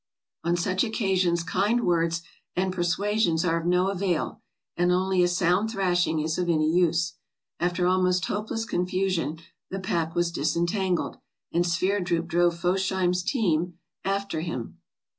On such occasions kind words and persuasions are of no avail, and only a sound thrashing is of any use. After almost hope less confusion the pack was disentangled, and Sverdrup drove Fosheim's team after him.